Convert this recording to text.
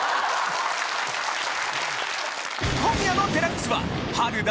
今夜の『ＤＸ』は春だ！